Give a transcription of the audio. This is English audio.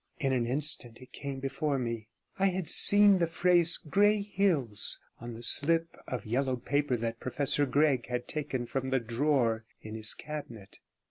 In an instant it came before me; I had seen the phrase 'Grey Hills' on the slip of yellowed paper that Professor Gregg had taken from the drawer in his cabinet.